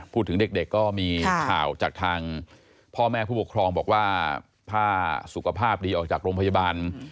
พูดถึงเด็กก็มีข่าวจากทางพ่อแม่ผู้ปกครองบอกว่าถ้าสุขภาพดีออกจากโรงพยาบาล